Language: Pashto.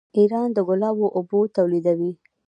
ایران د ګلابو اوبه تولیدوي.